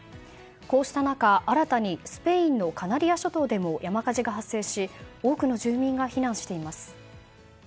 こうした中、新たにスペインのカナリア諸島でも山火事が発生し多くの住民が避難しています。